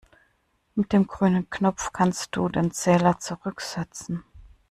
Mit dem grünen Knopf kannst du den Zähler zurücksetzen.